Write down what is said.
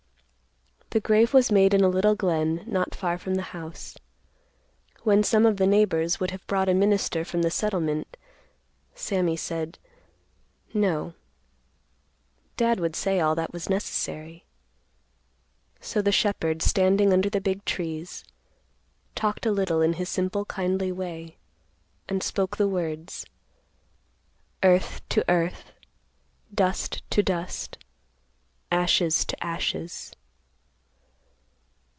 The grave was made in a little glen not far from the house. When some of the neighbors would have brought a minister from the settlement, Sammy said, "No." Dad would say all that was necessary. So the shepherd, standing under the big trees, talked a little in his simple kindly way, and spoke the words, "Earth to earth, dust to dust, ashes to ashes."